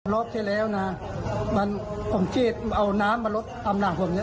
รอบที่แล้วนะผมจีบเอาน้ำมาลดตำหนักผมเนี่ย